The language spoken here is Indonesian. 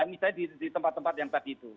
misalnya di tempat tempat yang tadi itu